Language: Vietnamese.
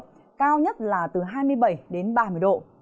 nhiệt cao nhất là từ hai mươi bảy đến ba mươi độ